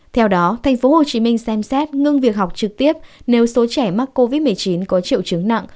theo đó tp hcm xem xét ngưng việc học trực tiếp nếu số trẻ mắc covid một mươi chín có triệu chứng nặng